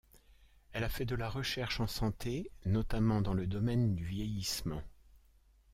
Elle a fait de la recherche en santé, notamment dans le domaine du vieillissement.